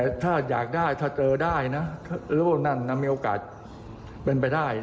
แต่ถ้าอยากได้ถ้าเจอได้นะโลกนั่นมีโอกาสเป็นไปได้